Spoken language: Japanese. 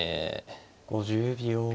５０秒。